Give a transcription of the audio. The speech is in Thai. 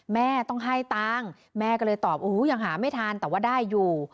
แม่ต้องให้ตังค์แม่ก็เลยตอบโอ้โหยังหาไม่ทันแต่ว่าได้อยู่